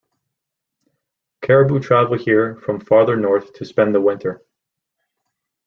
Caribou travel here from farther north to spend the winter.